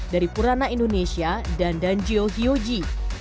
dari purana indonesia dan danjio hyoji